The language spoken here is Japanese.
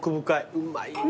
うまいね。